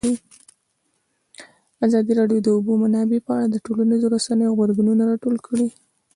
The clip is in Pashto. ازادي راډیو د د اوبو منابع په اړه د ټولنیزو رسنیو غبرګونونه راټول کړي.